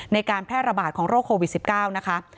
ในการแพร่ระบาดของโรคโควิด๑๙นะคะ